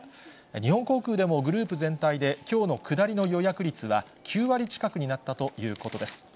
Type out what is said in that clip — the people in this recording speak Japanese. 日本航空でもグループ全体で、きょうの下りの予約率は９割近くになったということです。